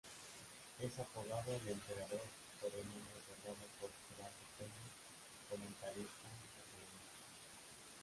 Es apodado "El Emperador" sobrenombre otorgado por Gerardo Peña comentarista de Televisa.